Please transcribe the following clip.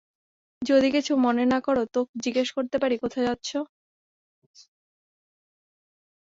যদি কিছু মনে না কর, তো জিজ্ঞেস করতে পারি, কোথায় যাচ্ছো?